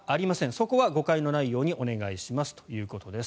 そこは誤解のないようにお願いしますということです。